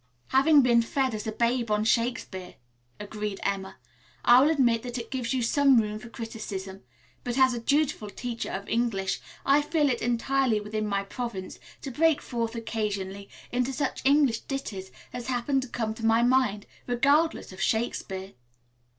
"Having been fed as a babe on Shakespeare," agreed Emma, "I will admit that it gives you some room for criticism, but as a dutiful teacher of English I feel it entirely within my province to break forth occasionally into such English ditties as happen to come to my mind, regardless of Shakespeare."